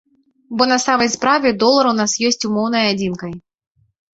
Бо на самай справе долар у нас ёсць умоўнай адзінкай.